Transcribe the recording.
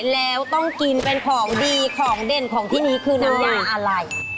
แล้วต้องกินเป็นของดีของเด่นของที่นี้คือน้ำยาอะไร